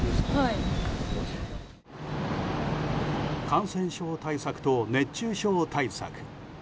感染症対策と熱中症対策。